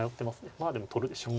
まあでも取るでしょう。